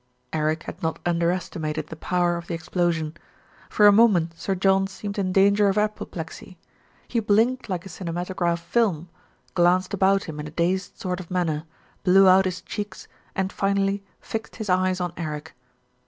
Eric had not underestimated the power of the ex plosion. For a moment Sir John seemed in danger of apoplexy. He blinked like a cinematograph film, glanced about him in a dazed sort of manner, blew out his cheeks and finally fixed his eyes on Eric.